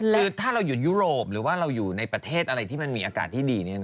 คือถ้าเราอยู่ยุโรปหรือว่าเราอยู่ในประเทศอะไรที่มันมีอากาศที่ดี